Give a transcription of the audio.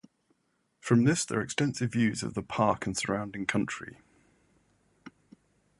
From this there are extensive views of the park and surrounding country.